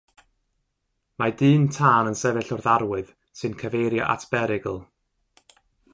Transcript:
Mae dyn tân yn sefyll wrth arwydd sy'n cyfeirio at berygl.